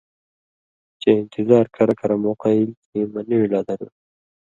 چےۡ انتظار کرہ کرہ موقع ایلیۡ کھیں مہ نیڙہۡ لا دھرِلوۡ۔